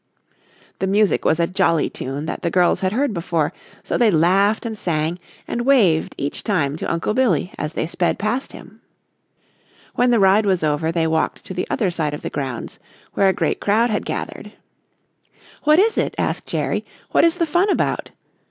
The music was a jolly tune that the girls had heard before, so they laughed and sang and waved each time to Uncle Billy as they sped past him. When the ride was over they walked to the other side of the grounds, where a great crowd had gathered. "What is it?" asked Jerry. "What is the fun about?"